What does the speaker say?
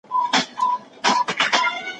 وسلې باید د دښمن پر ضد وکارول شي.